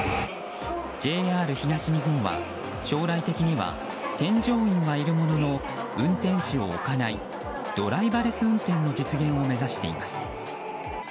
ＪＲ東日本は将来的には添乗員はいるものの運転士を置かないドライバレス運転の実現を目指しています。